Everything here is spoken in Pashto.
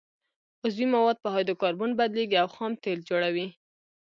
عضوي مواد په هایدرو کاربن بدلیږي او خام تیل جوړوي